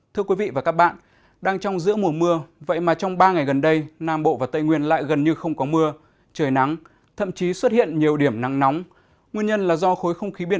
thưa quý vị và các bạn đang trong giữa mùa mưa vậy mà trong ba ngày gần đây nam bộ và tây nguyên lại gần như không có mưa trời nắng thậm chí xuất hiện nhiều điểm nắng nóng